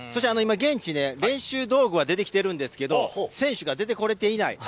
現地、練習道具は出てきてるんですけれど、選手が出てこれていない。